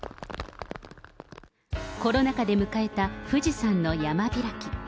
コロナ禍で迎えた富士山の山開き。